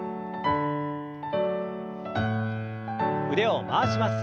腕を回します。